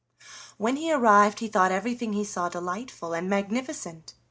When he arrived he thought everything he saw delightful and magnificent.